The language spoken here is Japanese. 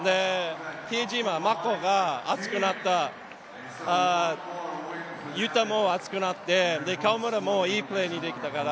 比江島、マコが熱くなったら、雄太も熱くなって、河村もいいプレーにできたから。